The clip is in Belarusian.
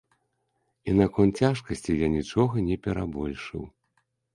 І наконт цяжкасці я нічога не перабольшыў.